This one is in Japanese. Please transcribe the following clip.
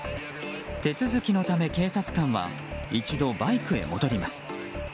手続きのため警察官は一度バイクへ戻ります。